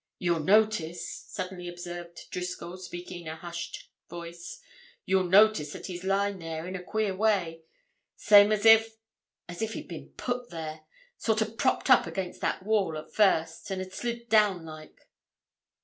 "You'll notice," suddenly observed Driscoll, speaking in a hushed voice, "You'll notice that he's lying there in a queer way—same as if—as if he'd been put there. Sort of propped up against that wall, at first, and had slid down, like."